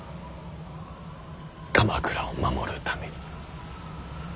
鎌倉を守るために。